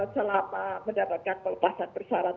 selama mendapatkan pelepasan bersyarat